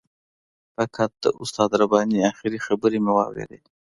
فقط د استاد رباني آخري خبرې مې واورېدې.